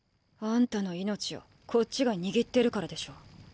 あんたの命をこっちが握ってるからでしょ。